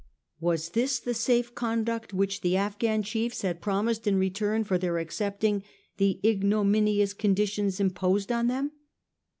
Was this the safe conduct which the Afghan chiefs had promised in return for their accepting the ignominious conditions imposed on them